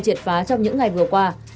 triệt phá trong những ngày vừa qua